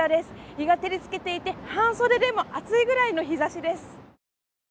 日が照りつけていて、半袖でも暑いくらいの日ざしです。